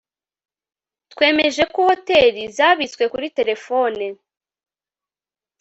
twemeje ko hoteri zabitswe kuri terefone